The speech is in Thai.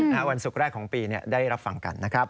วันศุกร์แรกของปีได้รับฟังกันนะครับ